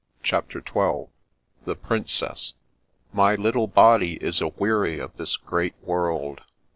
CHAPTER XII tCbe g>rfnceB0 " My little body is aweary of this great world."